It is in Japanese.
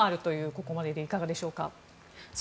ここまででいかがでしょうか。